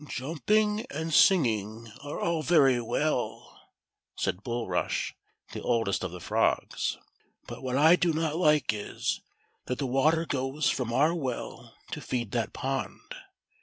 "Jumping and singing are all very well," said Bul rush, the oldest of the frogs ;" but what I do not like is, that the water goes from our well to feed that pond.